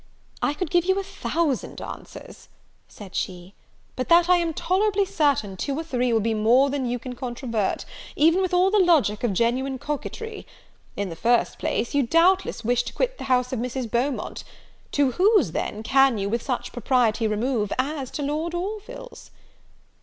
"I could give you a thousand reasons," answered she, "but that I am tolerably certain two or three will be more than you can controvert, even with all the logic of genuine coquetry. In the first place, you doubtless wish to quit the house of Mrs. Beaumont: to whose, then, can you with such propriety remove as to Lord Orville's?"